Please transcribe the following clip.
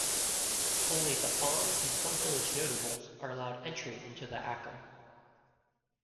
Only the Fon and some village notables are allowed entry into the "Achum".